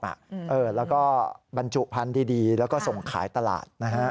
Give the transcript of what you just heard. แล้วก็บรรจุพันธุ์ดีแล้วก็ส่งขายตลาดนะฮะ